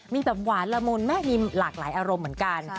มีแบบหวานละมุนแม่มีหลากหลายอารมณ์เหมือนกัน